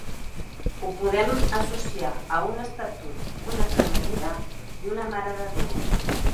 Ho podem associar a un Estatut, un cremallera i una marededéu.